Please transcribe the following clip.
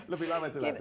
lebih lama jelas